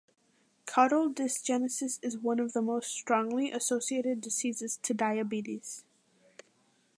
Caudal dysgenesis is one of the most strongly associated diseases to diabetes.